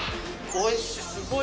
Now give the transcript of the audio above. おいしい！